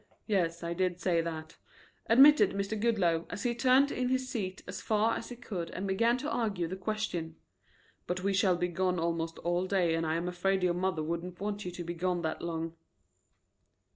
"Yes, I did say that," admitted Mr. Goodloe, as he turned in his seat as far as he could and began to argue the question. "But we shall be gone almost all day and I am afraid your mother wouldn't want you to be gone that long."